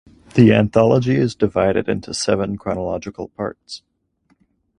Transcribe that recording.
The anthology is divided into seven chronological parts.